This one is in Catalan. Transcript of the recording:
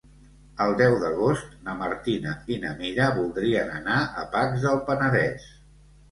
El deu d'agost na Martina i na Mira voldrien anar a Pacs del Penedès.